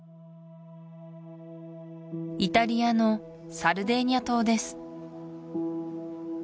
イタリアのサルデーニャ島です